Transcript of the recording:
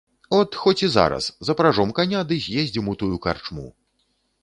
От, хоць і зараз, запражом каня да з'ездзім у тую карчму.